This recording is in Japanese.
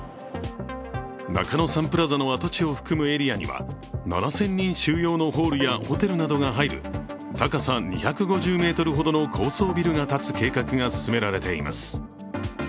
中野サンプラザの跡地を含むエリアには７０００人収容のホールやホテルなどが入る高さ２５０ｍほどの高層ビルが建つ計画が進められています。